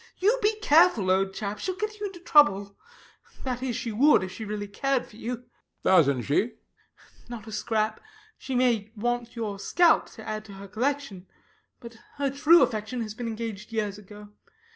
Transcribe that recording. You be careful, old chap. She will get you into trouble: that is, she would if she really cared for you. HECTOR. Doesn't she? RANDALL. Not a scrap. She may want your scalp to add to her collection; but her true affection has been engaged years ago.